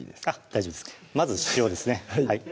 大丈夫ですまず塩ですね